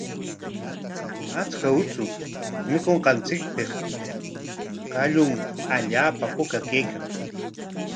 Achka uchu mikunqanpikmi qallun allaapa puka kaykan.